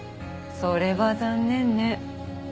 それは残念ね。